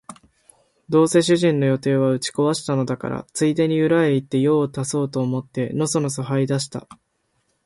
どうせ主人の予定は打ち壊したのだから、ついでに裏へ行って用を足そうと思ってのそのそ這い出した